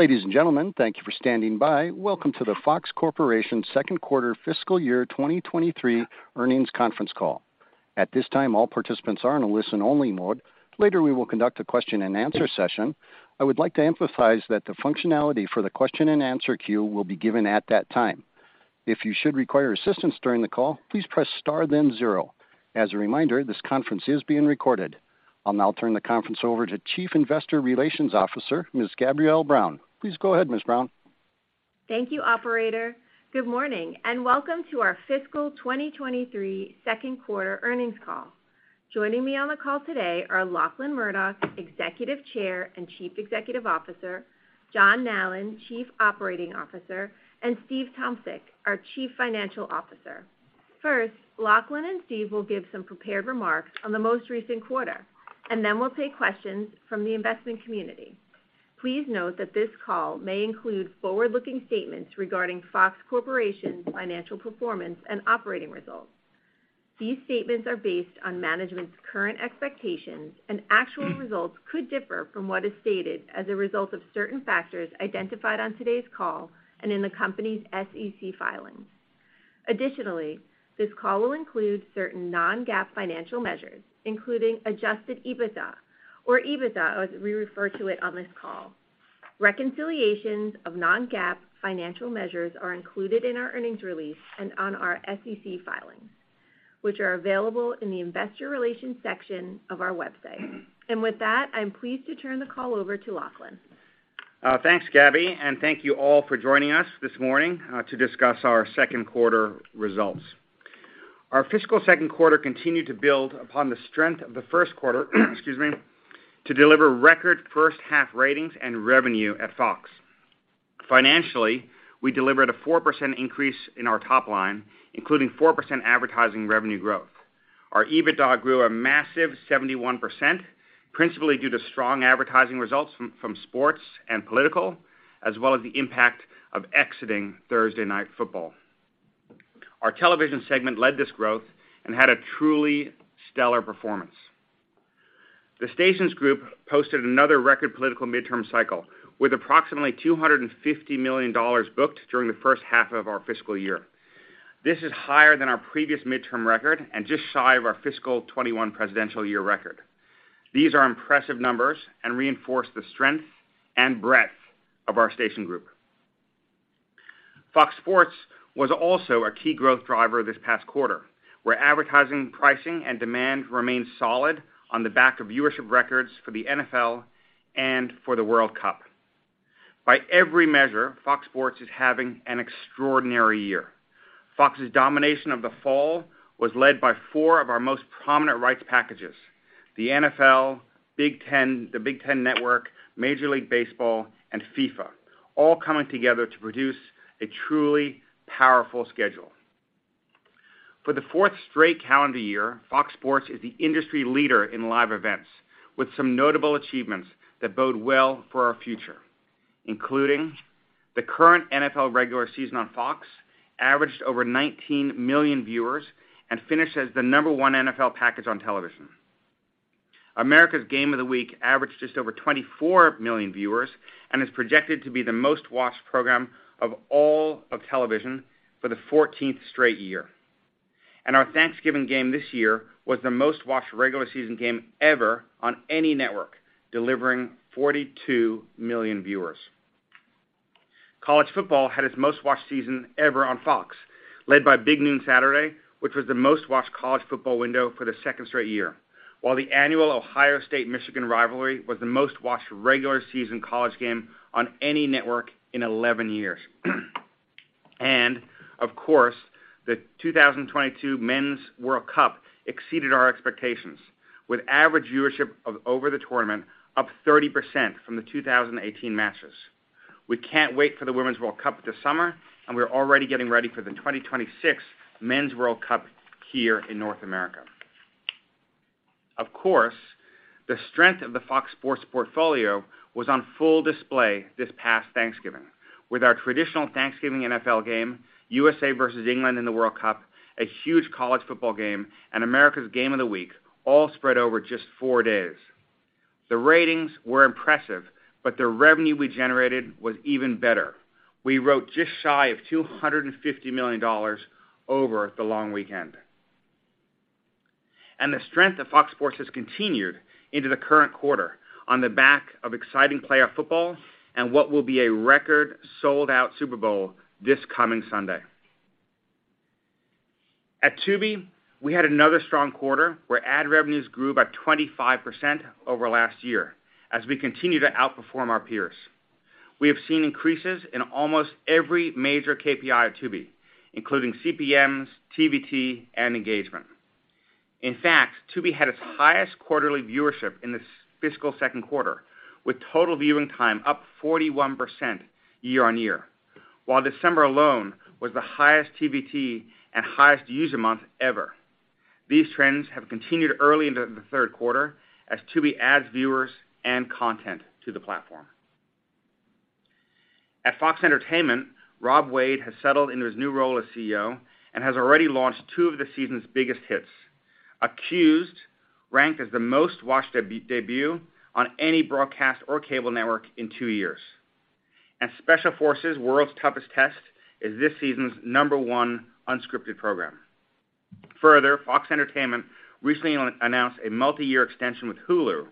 Ladies and gentlemen, thank you for standing by. Welcome to the Fox Corporation second quarter fiscal year 2023 earnings conference call. At this time, all participants are in a listen only mode. Later, we will conduct a question and answer session. I would like to emphasize that the functionality for the question-and-answer queue will be given at that time. If you should require assistance during the call, please press star then zero. As a reminder, this conference is being recorded. I'll now turn the conference over to Chief Investor Relations Officer, Ms. Gabrielle Brown. Please go ahead, Ms. Brown. Thank you, operator. Good morning, and welcome to our fiscal 2023 second quarter earnings call. Joining me on the call today are Lachlan Murdoch, Executive Chair and Chief Executive Officer, John Nallen, Chief Operating Officer, and Steve Tomsic, our Chief Financial Officer. First, Lachlan and Steve will give some prepared remarks on the most recent quarter, and then we'll take questions from the investment community. Please note that this call may include forward-looking statements regarding Fox Corporation's financial performance and operating results. These statements are based on management's current expectations and actual results could differ from what is stated as a result of certain factors identified on today's call and in the company's SEC filings. Additionally, this call will include certain non-GAAP financial measures, including adjusted EBITDA or EBITDA, as we refer to it on this call. Reconciliations of non-GAAP financial measures are included in our earnings release and on our SEC filings, which are available in the Investor Relations section of our website. With that, I'm pleased to turn the call over to Lachlan. Thanks, Gabby, and thank you all for joining us this morning to discuss our second quarter results. Our fiscal second quarter continued to build upon the strength of the first quarter, excuse me, to deliver record first half ratings and revenue at Fox. Financially, we delivered a 4% increase in our top line, including 4% advertising revenue growth. Our EBITDA grew a massive 71%, principally due to strong advertising results from sports and political, as well as the impact of exiting Thursday Night Football. Our television segment led this growth and had a truly stellar performance. The station's group posted another record political midterm cycle with approximately $250 million booked during the first half of our fiscal year. This is higher than our previous midterm record and just shy of our fiscal 2021 presidential year record. These are impressive numbers and reinforce the strength and breadth of our station group. Fox Sports was also a key growth driver this past quarter, where advertising pricing and demand remained solid on the back of viewership records for the NFL and for the World Cup. By every measure, Fox Sports is having an extraordinary year. Fox's domination of the fall was led by four of our most prominent rights packages, the NFL, Big Ten, the Big Ten Network, Major League Baseball, and FIFA, all coming together to produce a truly powerful schedule. For the fourth straight calendar year, Fox Sports is the industry leader in live events, with some notable achievements that bode well for our future, including the current NFL regular season on Fox averaged over 19 million viewers and finishes the number one NFL package on television. America's Game of the Week averaged just over 24 million viewers and is projected to be the most-watched program of all of television for the 14th straight year. Our Thanksgiving game this year was the most-watched regular season game ever on any network, delivering 42 million viewers. College football had its most-watched season ever on Fox, led by Big Noon Saturday, which was the most-watched college football window for the 2nd straight year, while the annual Ohio State Michigan rivalry was the most-watched regular season college game on any network in 11 years. Of course, the 2022 Men's World Cup exceeded our expectations with average viewership of over the tournament up 30% from the 2018 matches. We can't wait for the Women's World Cup this summer, and we're already getting ready for the 2026 Men's World Cup here in North America. Of course, the strength of the Fox Sports portfolio was on full display this past Thanksgiving with our traditional Thanksgiving NFL game, USA versus England in the World Cup, a huge college football game, and America's Game of the Week all spread over just four days. The ratings were impressive, the revenue we generated was even better. We wrote just shy of $250 million over the long weekend. The strength of Fox Sports has continued into the current quarter on the back of exciting playoff football and what will be a record sold-out Super Bowl this coming Sunday. At Tubi, we had another strong quarter where ad revenues grew by 25% over last year as we continue to outperform our peers. We have seen increases in almost every major KPI at Tubi, including CPMs, TVT, and engagement. In fact, Tubi had its highest quarterly viewership in the fiscal second quarter, with total viewing time up 41% year-on-year, while December alone was the highest TVT and highest user month ever. These trends have continued early into the third quarter as Tubi adds viewers and content to the platform. At Fox Entertainment, Rob Wade has settled into his new role as CEO and has already launched two of the season's biggest hits. Accused ranked as the most watched debut on any broadcast or cable network in two years. Special Forces: World's Toughest Test is this season's number one unscripted program. Further, Fox Entertainment recently announced a multiyear extension with Hulu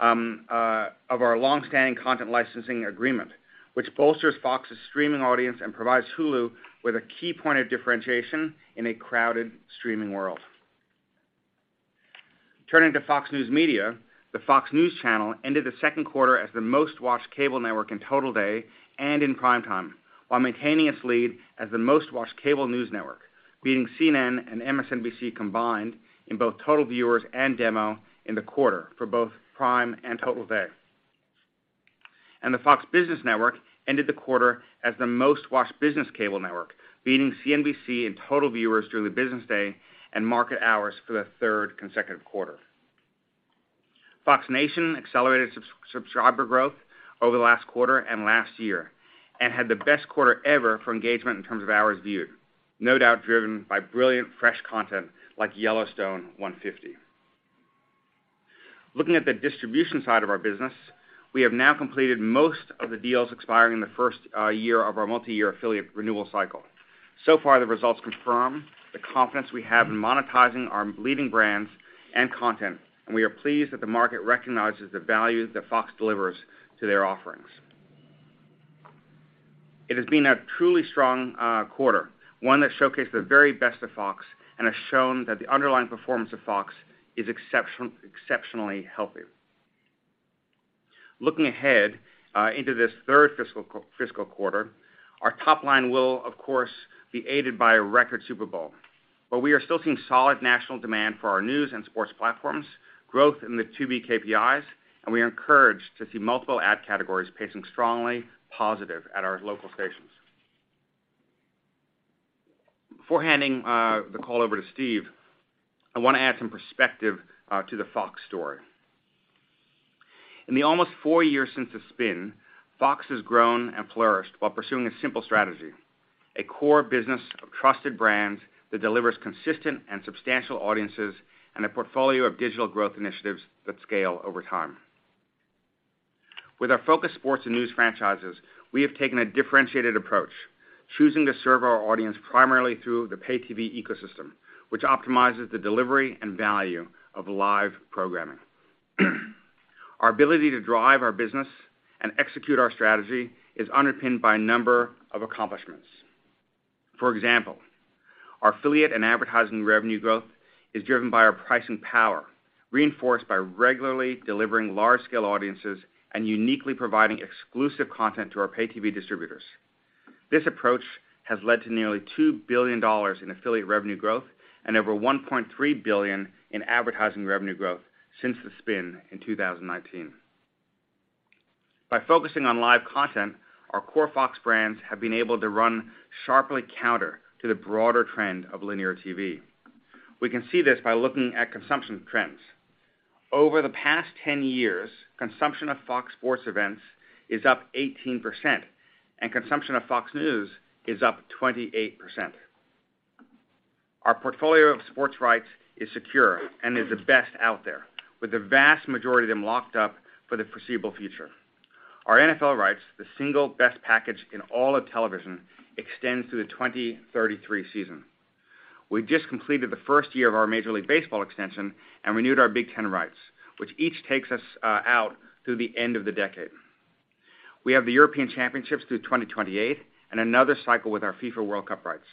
of our long-standing content licensing agreement, which bolsters Fox's streaming audience and provides Hulu with a key point of differentiation in a crowded streaming world. Turning to Fox News Media, the Fox News Channel ended the second quarter as the most-watched cable network in total day and in prime time, while maintaining its lead as the most-watched cable news network, beating CNN and MSNBC combined in both total viewers and demo in the quarter for both prime and total day. The Fox Business Network ended the quarter as the most-watched business cable network, beating CNBC in total viewers through the business day and market hours for the third consecutive quarter. Fox Nation accelerated subscriber growth over the last quarter and last year, and had the best quarter ever for engagement in terms of hours viewed, no doubt driven by brilliant, fresh content like Yellowstone: One-Fifty. Looking at the distribution side of our business, we have now completed most of the deals expiring in the first year of our multiyear affiliate renewal cycle. The results confirm the confidence we have in monetizing our leading brands and content, and we are pleased that the market recognizes the value that Fox delivers to their offerings. It has been a truly strong quarter, one that showcased the very best of Fox and has shown that the underlying performance of Fox is exceptionally healthy. Looking ahead, into this third fiscal quarter, our top line will, of course, be aided by a record Super Bowl. We are still seeing solid national demand for our news and sports platforms, growth in the Tubi KPIs, and we are encouraged to see multiple ad categories pacing strongly positive at our local stations. Before handing the call over to Steve, I wanna add some perspective to the Fox story. In the almost four years since the spin, Fox has grown and flourished while pursuing a simple strategy, a core business of trusted brands that delivers consistent and substantial audiences and a portfolio of digital growth initiatives that scale over time. With our focused sports and news franchises, we have taken a differentiated approach, choosing to serve our audience primarily through the pay TV ecosystem, which optimizes the delivery and value of live programming. Our ability to drive our business and execute our strategy is underpinned by a number of accomplishments. For example, our affiliate and advertising revenue growth is driven by our pricing power, reinforced by regularly delivering large-scale audiences and uniquely providing exclusive content to our pay TV distributors. This approach has led to nearly $2 billion in affiliate revenue growth and over $1.3 billion in advertising revenue growth since the spin in 2019. By focusing on live content, our core Fox brands have been able to run sharply counter to the broader trend of linear TV. We can see this by looking at consumption trends. Over the past 10 years, consumption of Fox Sports events is up 18%, and consumption of Fox News is up 28%. Our portfolio of sports rights is secure and is the best out there, with the vast majority of them locked up for the foreseeable future. Our NFL rights, the single best package in all of television, extends through the 2033 season. We've just completed the first year of our Major League Baseball extension and renewed our Big Ten rights, which each takes us out through the end of the decade. We have the European Championships through 2028 and another cycle with our FIFA World Cup rights.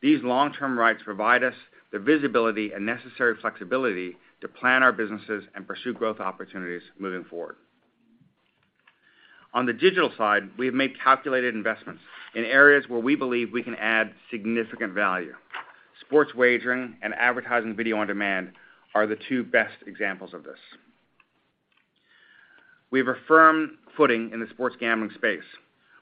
These long-term rights provide us the visibility and necessary flexibility to plan our businesses and pursue growth opportunities moving forward. On the digital side, we have made calculated investments in areas where we believe we can add significant value. Sports wagering and advertising video on demand are the two best examples of this. We have a firm footing in the sports gambling space.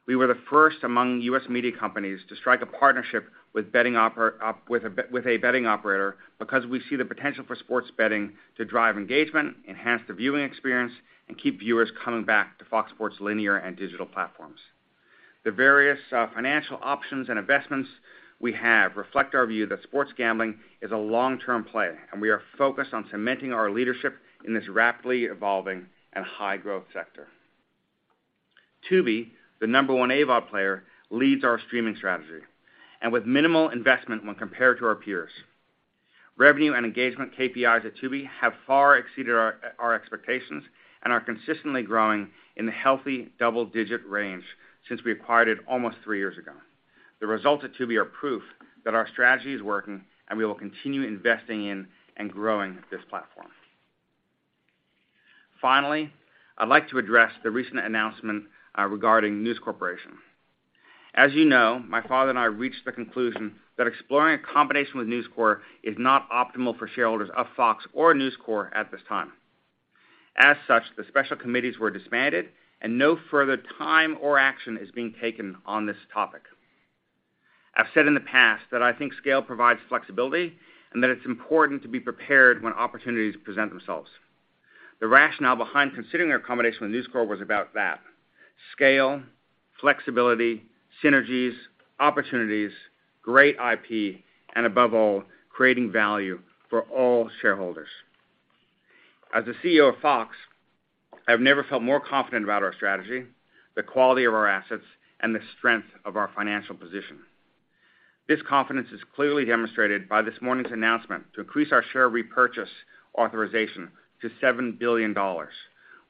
We were the first among U.S. media companies to strike a partnership with a betting operator because we see the potential for sports betting to drive engagement, enhance the viewing experience, and keep viewers coming back to Fox Sports' linear and digital platforms. The various financial options and investments we have reflect our view that sports gambling is a long term play, and we are focused on cementing our leadership in this rapidly evolving and high-growth sector. Tubi, the number-one AVOD player, leads our streaming strategy with minimal investment when compared to our peers. Revenue and engagement KPIs at Tubi have far exceeded our expectations and are consistently growing in the healthy double-digit range since we acquired it almost three years ago. The results at Tubi are proof that our strategy is working, and we will continue investing in and growing this platform. Finally, I'd like to address the recent announcement regarding News Corporation. As you know, my father and I reached the conclusion that exploring a combination with News Corp is not optimal for shareholders of Fox or News Corp at this time. As such, the special committees were disbanded, and no further time or action is being taken on this topic. I've said in the past that I think scale provides flexibility and that it's important to be prepared when opportunities present themselves. The rationale behind considering our accommodation with News Corp was about that, scale, flexibility, synergies, opportunities, great IP, and above all, creating value for all shareholders. As the CEO of Fox, I've never felt more confident about our strategy, the quality of our assets, and the strength of our financial position. This confidence is clearly demonstrated by this morning's announcement to increase our share repurchase authorization to $7 billion,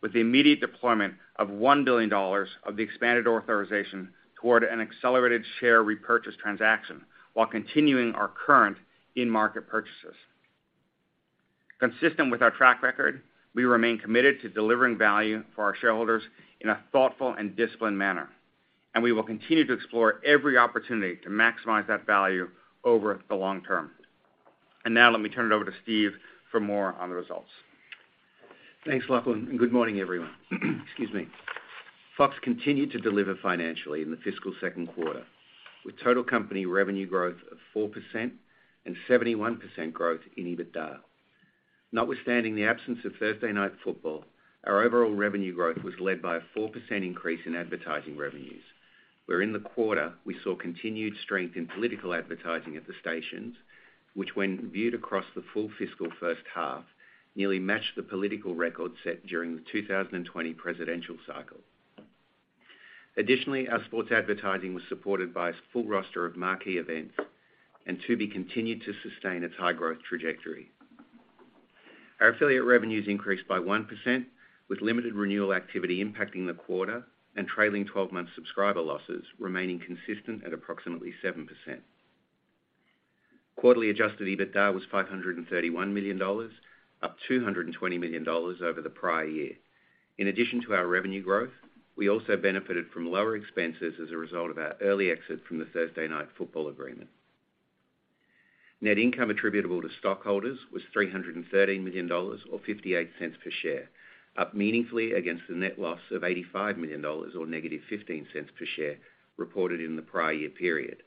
with the immediate deployment of $1 billion of the expanded authorization toward an accelerated share repurchase transaction while continuing our current in-market purchases. Consistent with our track record, we remain committed to delivering value for our shareholders in a thoughtful and disciplined manner, and we will continue to explore every opportunity to maximize that value over the long term. Now let me turn it over to Steve for more on the results. Thanks, Lachlan, and good morning, everyone. Excuse me. Fox continued to deliver financially in the fiscal second quarter, with total company revenue growth of 4% and 71% growth in EBITDA. Notwithstanding the absence of Thursday Night Football, our overall revenue growth was led by a 4% increase in advertising revenues, where in the quarter we saw continued strength in political advertising at the stations, which when viewed across the full fiscal first half, nearly matched the political record set during the 2020 presidential cycle. Our sports advertising was supported by a full roster of marquee events, and Tubi continued to sustain its high-growth trajectory. Our affiliate revenues increased by 1%, with limited renewal activity impacting the quarter and trailing 12-month subscriber losses remaining consistent at approximately 7%. Quarterly adjusted EBITDA was $531 million, up $220 million over the prior year. In addition to our revenue growth, we also benefited from lower expenses as a result of our early exit from the Thursday Night Football agreement. Net income attributable to stockholders was $313 million, or $0.58 per share, up meaningfully against the net loss of $85 million or -$0.15 per share reported in the prior year period.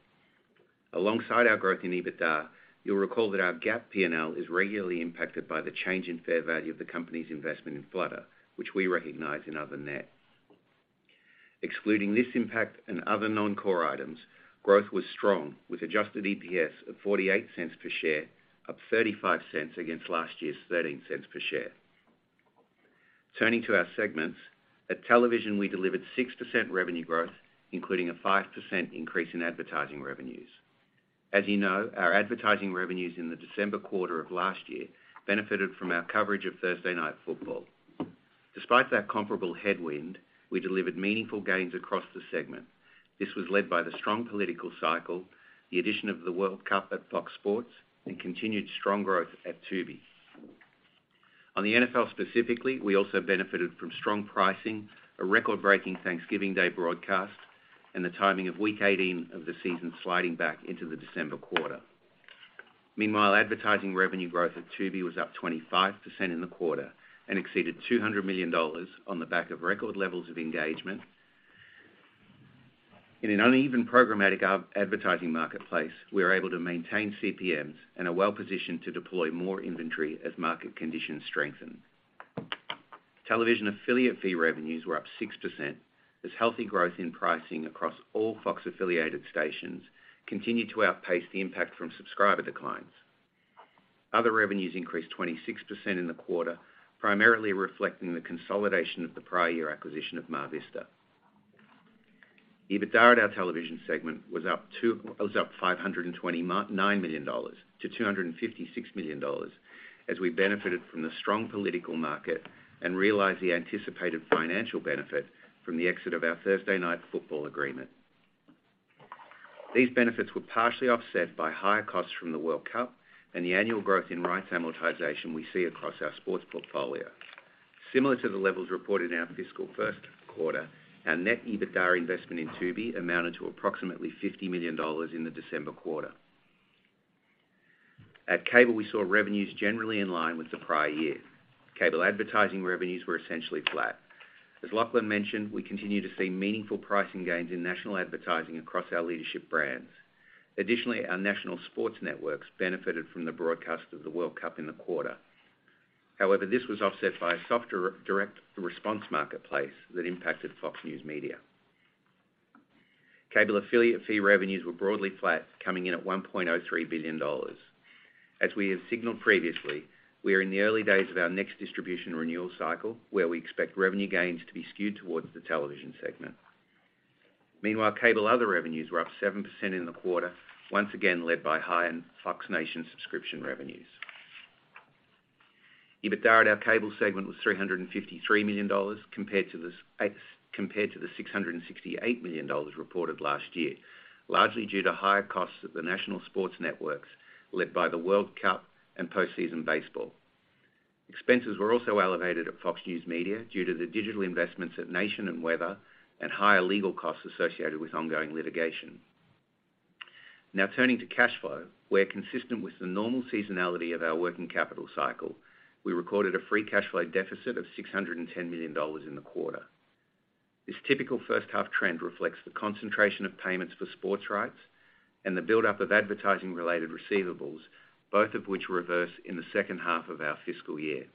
Alongside our growth in EBITDA, you'll recall that our GAAP P&L is regularly impacted by the change in fair value of the company's investment in Flutter, which we recognize in other net. Excluding this impact and other non-core items, growth was strong with adjusted EPS of $0.48 per share, up $0.35 against last year's $0.13 per share. Turning to our segments, at Television, we delivered 6% revenue growth, including a 5% increase in advertising revenues. As you know, our advertising revenues in the December quarter of last year benefited from our coverage of Thursday Night Football. Despite that comparable headwind, we delivered meaningful gains across the segment. This was led by the strong political cycle, the addition of the World Cup at Fox Sports, and continued strong growth at Tubi. On the NFL specifically, we also benefited from strong pricing, a record-breaking Thanksgiving Day broadcast, and the timing of week 18 of the season sliding back into the December quarter. Meanwhile, advertising revenue growth at Tubi was up 25% in the quarter and exceeded $200 million on the back of record levels of engagement. In an uneven programmatic advertising marketplace, we are able to maintain CPMs and are well-positioned to deploy more inventory as market conditions strengthen. Television affiliate fee revenues were up 6% as healthy growth in pricing across all Fox affiliated stations continued to outpace the impact from subscriber declines. Other revenues increased 26% in the quarter, primarily reflecting the consolidation of the prior year acquisition of MarVista Entertainment. EBITDA at our Television segment was up $529 million to $256 million as we benefited from the strong political market and realized the anticipated financial benefit from the exit of our Thursday Night Football agreement. These benefits were partially offset by higher costs from the FIFA World Cup and the annual growth in rights amortization we see across our sports portfolio. Similar to the levels reported in our fiscal first quarter, our net EBITDA investment in Tubi amounted to approximately $50 million in the December quarter. At Cable, we saw revenues generally in line with the prior year. Cable advertising revenues were essentially flat. As Lachlan mentioned, we continue to see meaningful pricing gains in national advertising across our leadership brands. Additionally, our national sports networks benefited from the broadcast of the World Cup in the quarter. However, this was offset by a softer direct-to-response marketplace that impacted Fox News Media. Cable affiliate fee revenues were broadly flat, coming in at $1.03 billion. As we have signaled previously, we are in the early days of our next distribution renewal cycle, where we expect revenue gains to be skewed towards the Television segment. Cable other revenues were up 7% in the quarter, once again led by high in Fox Nation subscription revenues. EBITDA at our Cable segment was $353 million, compared to the $668 million reported last year, largely due to higher costs of the national sports networks led by the World Cup and postseason baseball. Expenses were also elevated at Fox News Media due to the digital investments at Nation and Weather and higher legal costs associated with ongoing litigation. Turning to cash flow, where consistent with the normal seasonality of our working capital cycle, we recorded a free cash flow deficit of $610 million in the quarter. This typical first half trend reflects the concentration of payments for sports rights and the buildup of advertising-related receivables, both of which reverse in the second half of our fiscal year.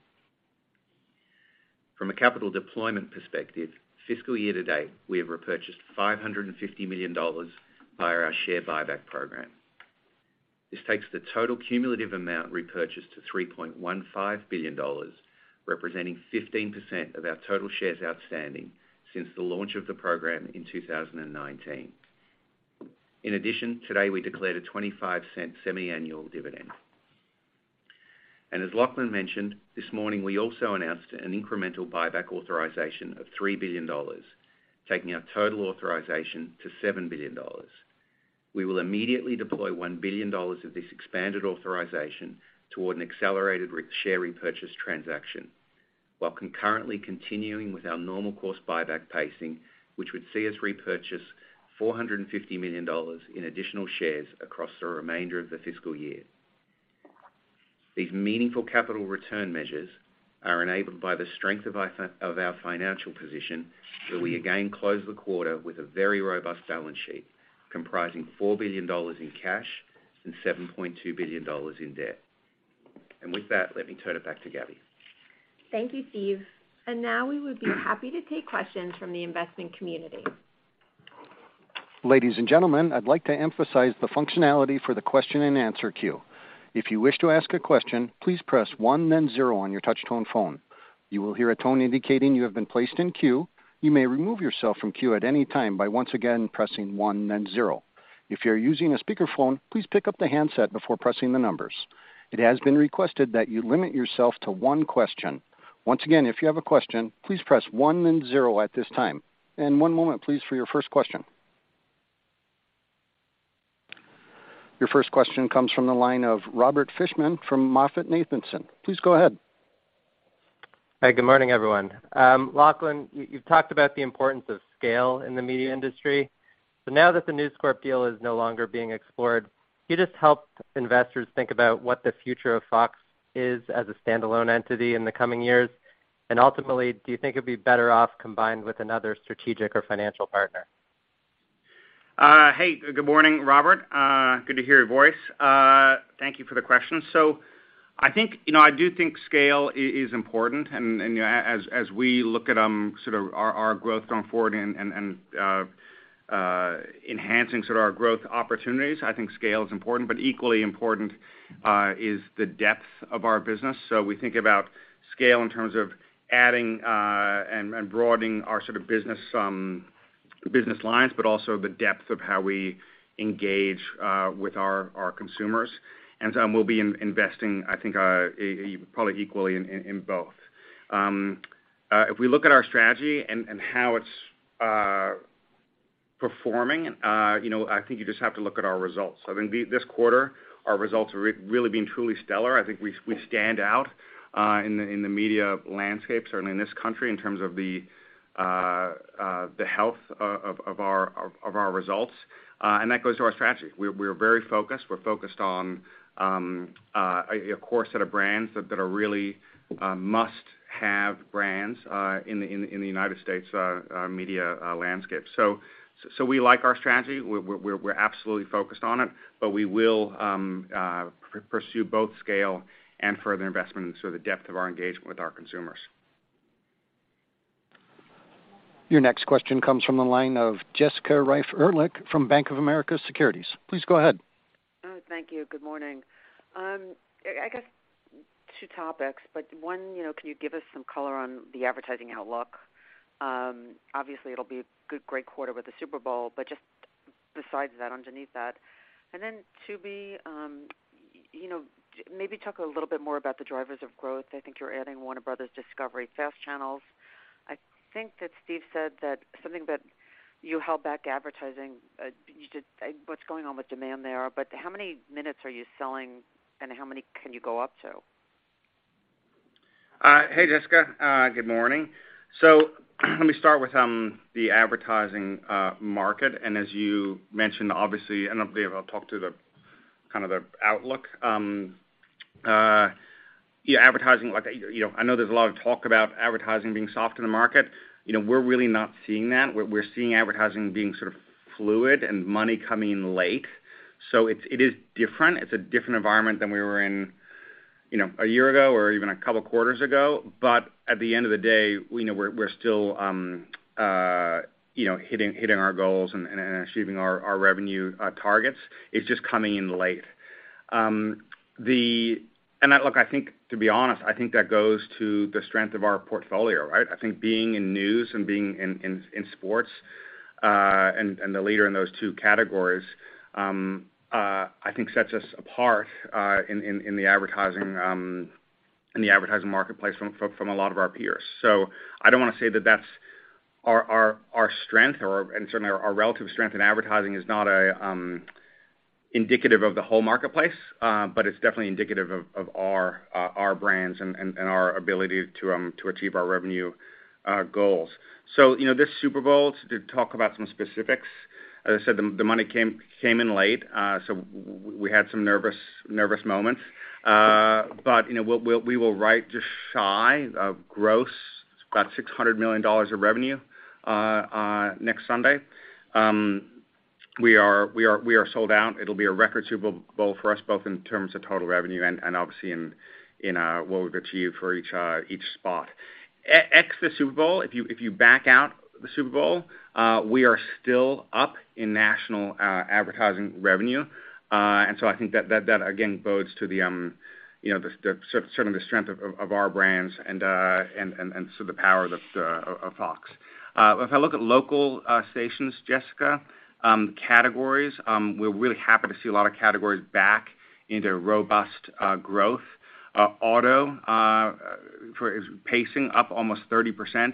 From a capital deployment perspective, fiscal year to date, we have repurchased $550 million via our share buyback program. This takes the total cumulative amount repurchased to $3.15 billion, representing 15% of our total shares outstanding since the launch of the program in 2019. Today we declared a $0.25 semiannual dividend. As Lachlan mentioned, this morning we also announced an incremental buyback authorization of $3 billion, taking our total authorization to $7 billion. We will immediately deploy $1 billion of this expanded authorization toward an accelerated share repurchase transaction, while concurrently continuing with our normal course buyback pacing, which would see us repurchase $450 million in additional shares across the remainder of the fiscal year. These meaningful capital return measures are enabled by the strength of our of our financial position, where we again close the quarter with a very robust balance sheet comprising $4 billion in cash and $7.2 billion in debt. With that, let me turn it back to Gabby. Thank you, Steve. Now we would be happy to take questions from the investment community. Ladies and gentlemen, I'd like to emphasize the functionality for the question-and-answer queue. If you wish to ask a question, please press 1 then 0 on your touch-tone phone. You will hear a tone indicating you have been placed in queue. You may remove yourself from queue at any time by once again pressing one then zero. If you're using a speakerphone, please pick up the handset before pressing the numbers. It has been requested that you limit yourself to one question. Once again, if you have a question, please press one then zero at this time. One moment, please, for your first question. Your first question comes from the line of Robert Fishman from MoffettNathanson. Please go ahead. Hi, good morning, everyone. Lachlan, you've talked about the importance of scale in the media industry. Now that the News Corp deal is no longer being explored, can you just help investors think about what the future of Fox is as a standalone entity in the coming years? Ultimately, do you think it'd be better off combined with another strategic or financial partner? Hey, good morning, Robert. Good to hear your voice. Thank you for the question. I think, you know, I do think scale is important. As we look at sort of our growth going forward and enhancing sort of our growth opportunities, I think scale is important. Equally important is the depth of our business. We think about scale in terms of adding and broadening our sort of business business lines, but also the depth of how we engage with our consumers. We'll be investing, I think, equally, probably equally in both. If we look at our strategy and how it's performing, you know, I think you just have to look at our results. I mean, this quarter, our results have really been truly stellar. I think we stand out in the media landscape, certainly in this country, in terms of the health of our results. That goes to our strategy. We're very focused. We're focused on a core set of brands that are really must-have brands in the United States media landscape. We like our strategy. We're absolutely focused on it, we will pursue both scale and further investment into the depth of our engagement with our consumers. Your next question comes from the line of Jessica Reif Ehrlich from Bank of America Securities. Please go ahead. Thank you. Good morning. I guess two topics. You know, can you give us some color on the advertising outlook? Obviously, it will be a good, great quarter with the Super Bowl. Just besides that, underneath that. Two, you know, maybe talk a little bit more about the drivers of growth. I think you are adding Warner Bros. Discovery FAST channels. I think that Steve said that something that you held back advertising. What is going on with demand there? How many minutes are you selling, and how many can you go up to? Hey, Jessica. Good morning. Let me start with the advertising market. As you mentioned, obviously, and I'll be able to talk to the kind of the outlook. Yeah, advertising, like, you know, I know there's a lot of talk about advertising being soft in the market. You know, we're really not seeing that. We're seeing advertising being sort of fluid and money coming in late. It's, it is different. It's a different environment than we were in, you know, a year ago or even a couple quarters ago. At the end of the day, you know, we're still, you know, hitting our goals and achieving our revenue targets. It's just coming in late. The. Look, I think, to be honest, that goes to the strength of our portfolio, right? I think being in news and being in sports, and the leader in those two categories, I think sets us apart in the advertising marketplace from a lot of our peers. I don't want to say that that's our strength or, and certainly our relative strength in advertising is not indicative of the whole marketplace, but it's definitely indicative of our brands and our ability to achieve our revenue goals. You know, this Super Bowl, to talk about some specifics. As I said, the money came in late, so we had some nervous moments. You know, we will write just shy of gross, about $600 million of revenue next Sunday. We are sold out. It'll be a record Super Bowl for us, both in terms of total revenue and obviously in what we've achieved for each spot. Ex the Super Bowl, if you back out the Super Bowl, we are still up in national advertising revenue. I think that again bodes to the, you know, certainly the strength of our brands and so the power of Fox. If I look at local stations, Jessica, categories, we're really happy to see a lot of categories back into robust growth. Auto for is pacing up almost 30%.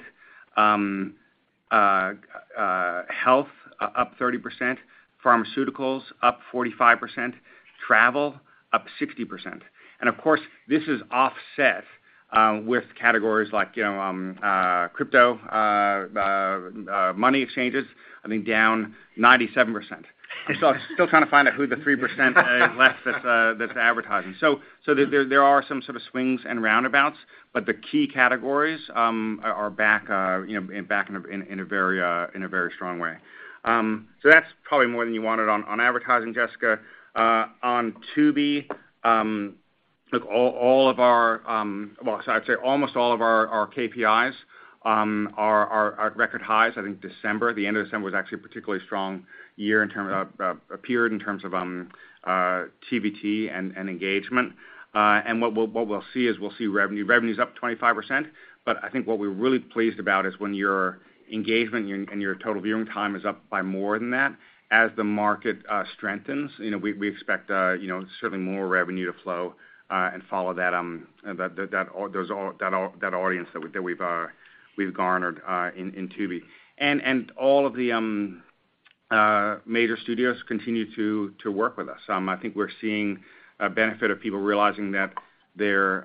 Health up 30%, pharmaceuticals up 45%, travel up 60%. Of course, this is offset with categories like, you know, crypto, money exchanges, I think down 97%. I'm still trying to find out who the 3% left that's advertising. There are some sort of swings and roundabouts, but the key categories are back, you know, back in a very, in a very strong way. That's probably more than you wanted on advertising, Jessica. On Tubi, look, all of our, well, I'd say almost all of our KPIs are at record highs. I think December, the end of December was actually a particularly strong year period in terms of TVT and engagement. What we'll see is we'll see revenue. Revenue's up 25%, but I think what we're really pleased about is when your engagement and your total viewing time is up by more than that. As the market strengthens, you know, we expect, you know, certainly more revenue to flow and follow that audience that we've garnered in Tubi. All of the major studios continue to work with us. I think we're seeing a benefit of people realizing that their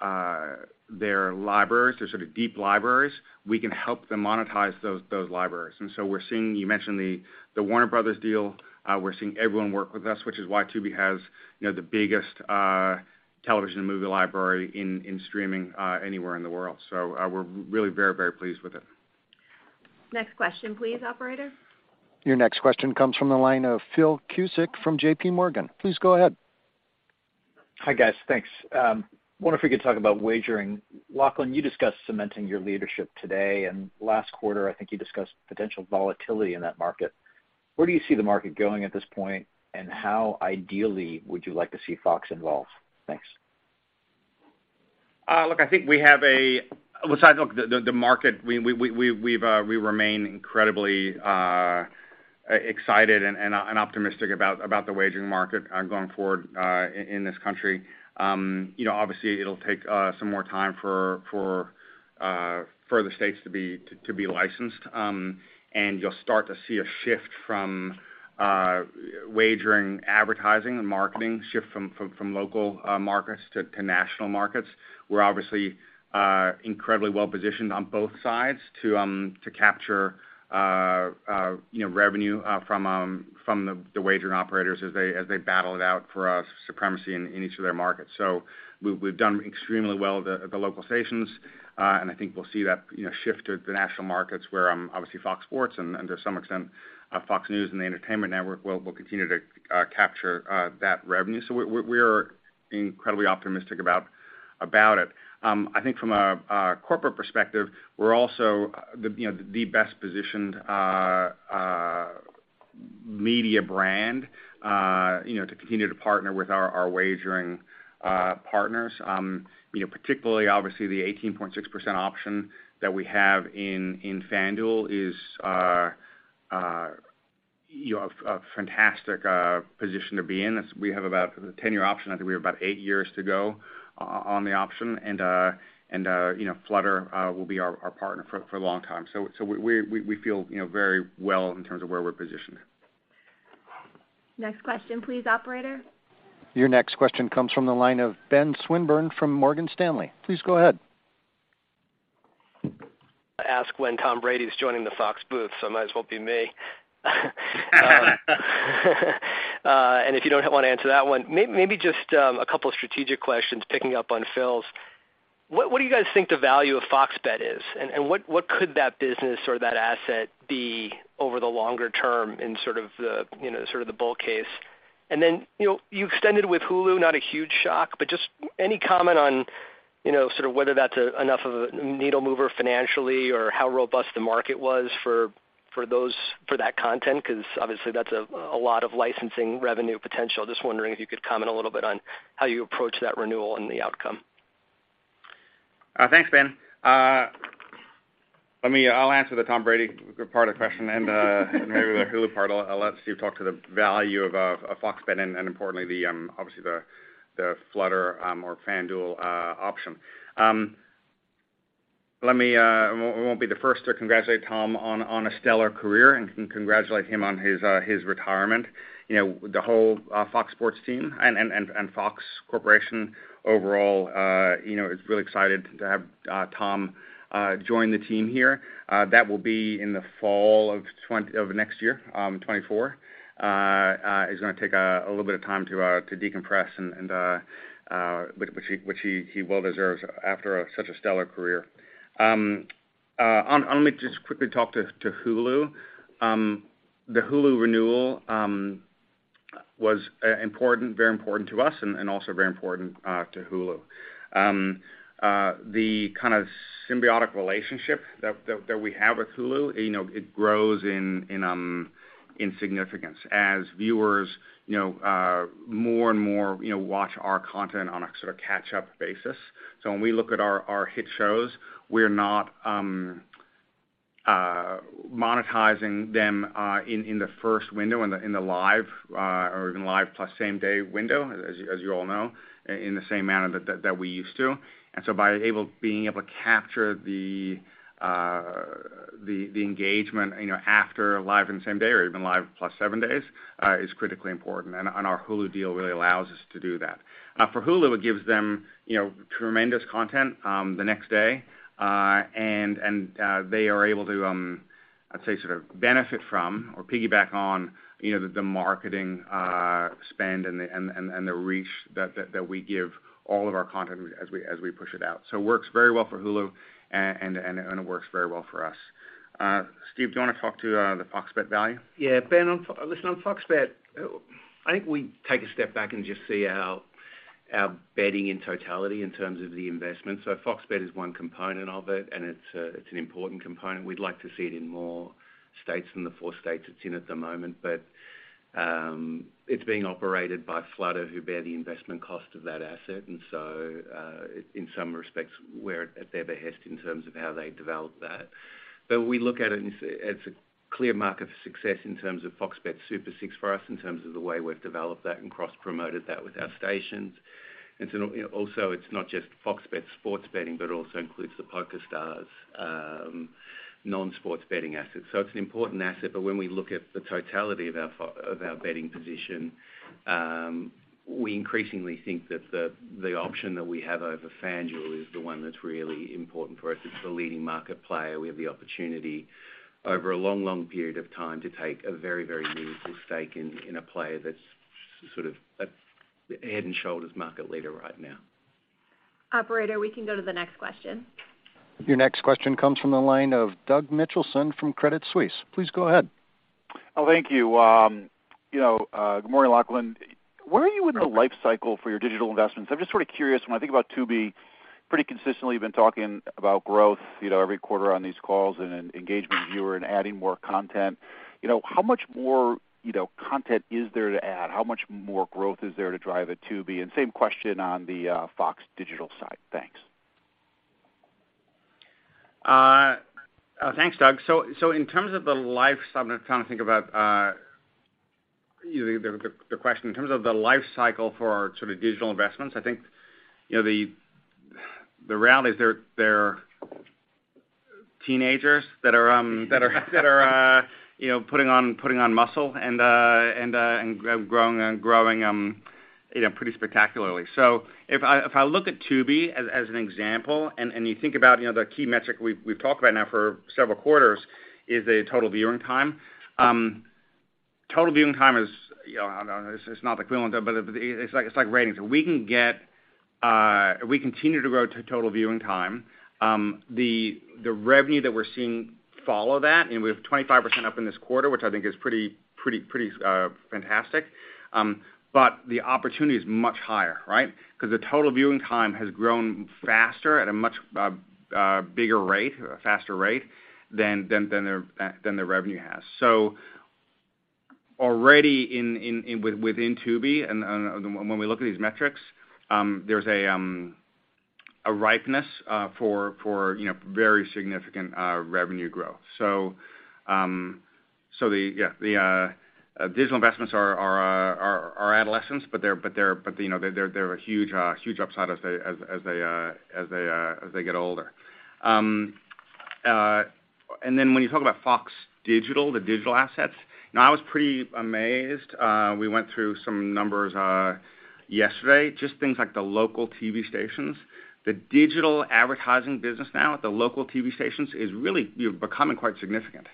libraries, their sort of deep libraries, we can help them monetize those libraries. We're seeing, you mentioned the Warner Bros. deal. We're seeing everyone work with us, which is why Tubi has, you know, the biggest television movie library in streaming anywhere in the world. We're really very, very pleased with it. Next question, please, operator. Your next question comes from the line of Phil Cusick from JPMorgan. Please go ahead. Hi, guys. Thanks. Wonder if we could talk about wagering. Lachlan, you discussed cementing your leadership today, and last quarter, I think you discussed potential volatility in that market. Where do you see the market going at this point, and how ideally would you like to see Fox involved? Thanks. Well, look, the market, we've remained incredibly excited and optimistic about the wagering market going forward in this country. You know, obviously it'll take some more time for the states to be licensed. You'll start to see a shift from wagering advertising and marketing shift from local markets to national markets. We're obviously incredibly well positioned on both sides to capture, you know, revenue from the wagering operators as they battle it out for supremacy in each of their markets. We've done extremely well at the local stations. I think we'll see that, you know, shift to the national markets where, obviously Fox Sports and to some extent, Fox News and the Entertainment Network will continue to capture that revenue. We're incredibly optimistic about it. I think from a corporate perspective, we're also the, you know, the best positioned media brand, you know, to continue to partner with our wagering partners. You know, particularly obviously the 18.6% option that we have in FanDuel is, you know, a fantastic position to be in. We have about a ten year option. I think we have about eight years to go on the option, and, you know, Flutter will be our partner for a long time. We feel, you know, very well in terms of where we're positioned. Next question, please, operator. Your next question comes from the line of Ben Swinburne from Morgan Stanley. Please go ahead. Ask when Tom Brady's joining the Fox booth, so might as well be me. If you don't want to answer that one, maybe just a couple of strategic questions picking up on Phil's. What do you guys think the value of FOX Bet is? What could that business or that asset be over the longer term in sort of the, you know, sort of the bull case? You know, you extended with Hulu, not a huge shock, but just any comment on, you know, sort of whether that's enough of a needle mover financially or how robust the market was for those, for that content? 'Cause obviously that's a lot of licensing revenue potential. Just wondering if you could comment a little bit on how you approach that renewal and the outcome. Thanks, Ben. I'll answer the Tom Brady part of the question and maybe the Hulu part. I'll let Steve talk to the value of FOX Bet and importantly, the obviously the Flutter or FanDuel option. Let me, I won't be the first to congratulate Tom on a stellar career and congratulate him on his retirement. You know, the whole Fox Sports team and Fox Corporation overall, you know, is really excited to have Tom join the team here. That will be in the fall of next year, 2024. He's gonna take a little bit of time to decompress and which he well deserves after such a stellar career. I'm gonna just quickly talk to Hulu. The Hulu renewal was important, very important to us and also very important to Hulu. The kind of symbiotic relationship that we have with Hulu, you know, it grows in significance as viewers, you know, more and more, you know, watch our content on a sort of catch-up basis. When we look at our hit shows, we're not monetizing them in the first window, in the live or even live plus same day window, as you all know, in the same manner that we used to. Being able to capture the engagement, you know, after live and the same day or even live plus seven days is critically important, and our Hulu deal really allows us to do that. For Hulu, it gives them, you know, tremendous content the next day, and they are able to, I'd say sort of benefit from or piggyback on, you know, the marketing spend and the reach that we give all of our content as we push it out. It works very well for Hulu and it works very well for us. Steve, do you wanna talk to the FOX Bet value? Ben, listen, on FOX Bet, I think we take a step back and just see our betting in totality in terms of the investment. FOX Bet is 1 component of it, and it's an important component. We'd like to see it in more states than the four states it's in at the moment. It's being operated by Flutter, who bear the investment cost of that asset. In some respects, we're at their behest in terms of how they develop that. We look at it as a clear mark of success in terms of FOX Bet Super 6 for us, in terms of the way we've developed that and cross-promoted that with our stations. You know, also it's not just FOX Bet sports betting, but it also includes the PokerStars, non-sports betting assets. It's an important asset, but when we look at the totality of our betting position, we increasingly think that the option that we have over FanDuel is the one that's really important for us. It's the leading market player. We have the opportunity over a long period of time to take a very meaningful stake in a player that's sort of a head and shoulders market leader right now. Operator, we can go to the next question. Your next question comes from the line of Doug Mitchelson from Credit Suisse. Please go ahead. Thank you. You know, good morning, Lachlan. Where are you in the life cycle for your digital investments? I'm just sort of curious when I think about Tubi pretty consistently been talking about growth, you know, every quarter on these calls and engagement viewer and adding more content. You know, how much more, you know, content is there to add? How much more growth is there to drive a Tubi? Same question on the Fox Digital side. Thanks. Thanks, Doug. I'm trying to think about, you know, the question. In terms of the life cycle for our sort of digital investments, I think, you know, the realities they're teenagers that are, that are, you know, putting on muscle and growing and growing, you know, pretty spectacularly. If I look at Tubi as an example, and you think about, you know, the key metric we've talked about now for several quarters is the total viewing time. Total viewing time is, you know, I don't know, it's not equivalent, but it's like ratings. We can get. We continue to grow total viewing time. The revenue that we're seeing follow that, we have 25% up in this quarter, which I think is pretty fantastic. The opportunity is much higher, right? 'Cause the total viewing time has grown faster at a much bigger rate or a faster rate than the revenue has. Already within Tubi and when we look at these metrics, there's a ripeness for, you know, very significant revenue growth. The digital investments are adolescents, but they're, you know, a huge upside as they get older. Then when you talk about Fox Digital, the digital assets, you know, I was pretty amazed. We went through some numbers yesterday, just things like the local TV stations. The digital advertising business now at the local TV stations is really, you know, becoming quite significant.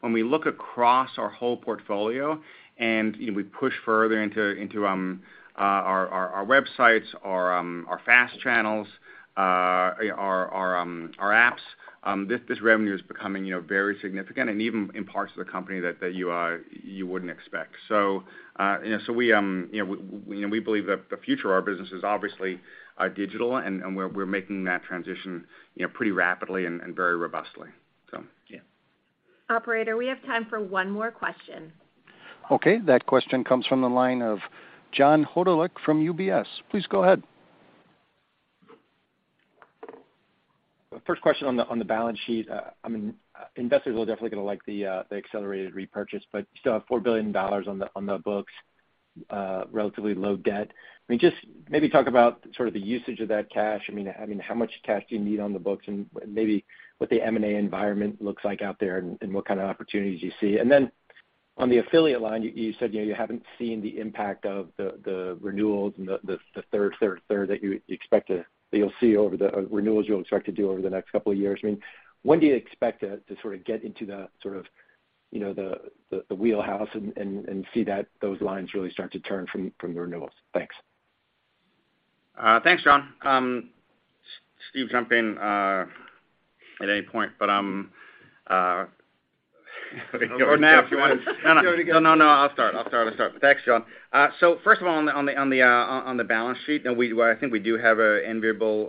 When we look across our whole portfolio and, you know, we push further into our websites, our FAST channels, you know, our apps, this revenue is becoming, you know, very significant and even in parts of the company that you wouldn't expect. You know, so we, you know, we believe that the future of our business is obviously digital, and we're making that transition, you know, pretty rapidly and very robustly. Yeah. Operator, we have time for one more question. Okay. That question comes from the line of John Hodulik from UBS. Please go ahead. First question on the balance sheet. I mean, investors will definitely gonna like the accelerated repurchase, but you still have $4 billion on the books. Relatively low debt. I mean, just maybe talk about sort of the usage of that cash. I mean, how much cash do you need on the books? And maybe what the M&A environment looks like out there and what kind of opportunities you see. Then on the affiliate line, you said, you know, you haven't seen the impact of the renewals and the third that you'll see over the renewals you'll expect to do over the next couple of years. I mean, when do you expect to sort of get into the sort of, you know, the wheelhouse and see those lines really start to turn from renewals? Thanks. Thanks, John. Steve, jump in at any point, but. Go now if you want. No, no. I'll start. Thanks, John. First of all, on the balance sheet, you know, well, I think we do have a enviable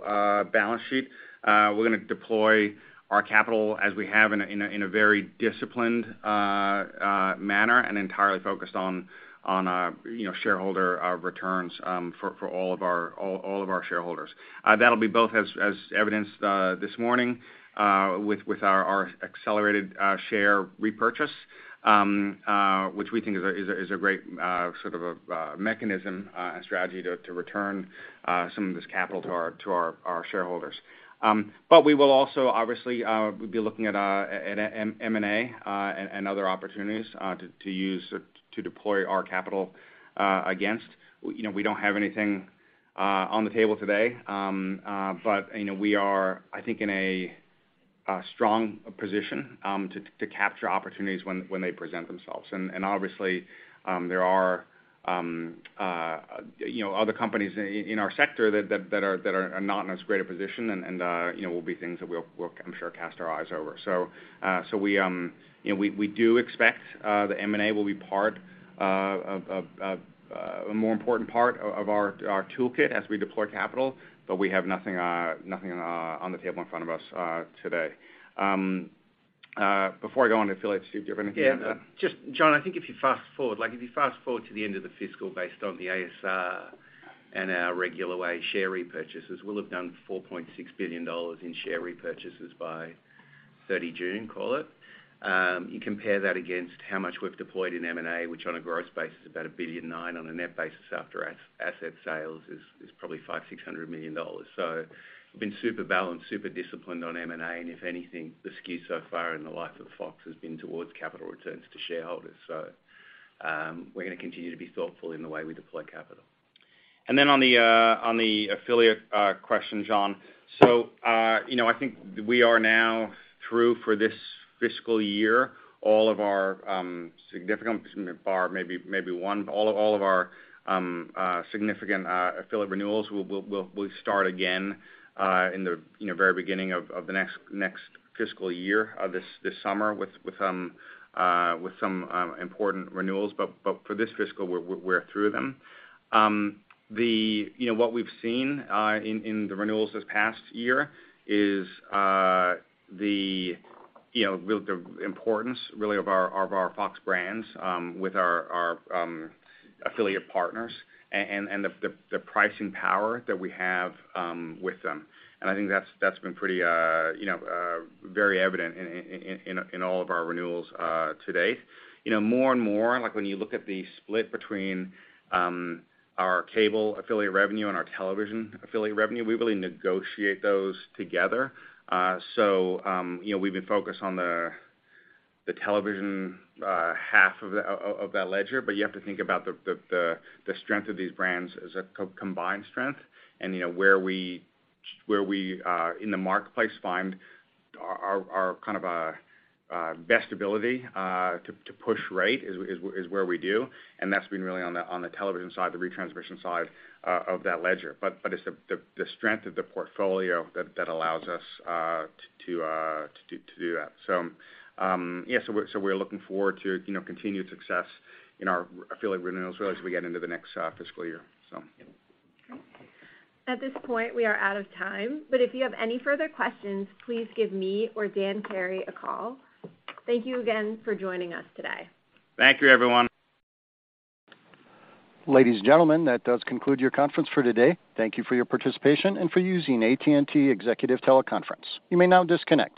balance sheet. We're gonna deploy our capital as we have in a very disciplined manner, and entirely focused on, you know, shareholder returns for all of our shareholders. That'll be both as evidenced this morning with our accelerated share repurchase, which we think is a great sort of a mechanism and strategy to return some of this capital to our shareholders. We will also obviously, we'll be looking at M&A and other opportunities to deploy our capital against. You know, we don't have anything on the table today. You know, we are, I think, in a strong position to capture opportunities when they present themselves. Obviously, there are, you know, other companies in our sector that are not in as great a position and, you know, will be things that we'll I'm sure cast our eyes over. We, you know, we do expect, the M&A will be part of a more important part of our toolkit as we deploy capital, but we have nothing on the table in front of us, today. Before I go on to affiliates, Steve, do you have anything to add? Just John, I think if you fast-forward, like, if you fast-forward to the end of the fiscal based on the ASR and our regular way share repurchases, we'll have done $4.6 billion in share repurchases by 30 June, call it. You compare that against how much we've deployed in M&A, which on a gross basis is about $1.9 billion. On a net basis after asset sales is probably $500 million-$600 million. We've been super balanced, super disciplined on M&A, and if anything, the skew so far in the life of Fox has been towards capital returns to shareholders. We're gonna continue to be thoughtful in the way we deploy capital. On the affiliate question, John, you know, I think we are now through for this fiscal year, all of our significant affiliate renewals. We'll start again in the, you know, very beginning of the next fiscal year, this summer with some important renewals. For this fiscal, we're through them. You know, what we've seen in the renewals this past year is, you know, the importance really of our Fox brands with our affiliate partners and the pricing power that we have with them. I think that's been pretty, you know, very evident in all of our renewals to date. You know, more and more, like when you look at the split between our cable affiliate revenue and our television affiliate revenue, we really negotiate those together. You know, we've been focused on the television half of that ledger, but you have to think about the strength of these brands as a co-combined strength and, you know, where we in the marketplace find our kind of best ability to push rate is where we do. That's been really on the television side, the retransmission side of that ledger. It's the strength of the portfolio that allows us to do that. Yeah, we're looking forward to, you know, continued success in our affiliate renewals really as we get into the next fiscal year. At this point, we are out of time. If you have any further questions, please give me or Dan Carey a call. Thank you again for joining us today. Thank you, everyone. Ladies and gentlemen, that does conclude your conference for today. Thank you for your participation and for using AT&T Executive Teleconference. You may now disconnect.